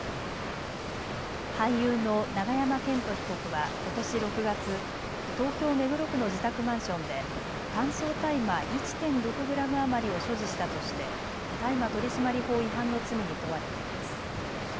俳優の永山絢斗被告はことし６月東京・目黒区の自宅マンションで乾燥大麻１．６グラム余りを所持したとして大麻取締法違反の罪に問われています。